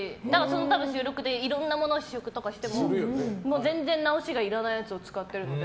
多分、収録でいろんなものを試食とかしても全然直しがいらないやつを使ってるので。